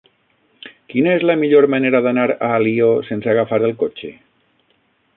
Quina és la millor manera d'anar a Alió sense agafar el cotxe?